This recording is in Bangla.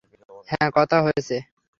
হ্যাঁ, কথা হয়েছে।